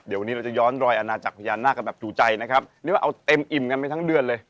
เดี๋ยววันนี้เราจะย้อนรอยอาณาจักรพญานาคกันแบบถูกใจนะครับเรียกว่าเอาเต็มอิ่มกันไปทั้งเดือนเลย